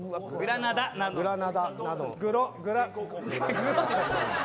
グログラ。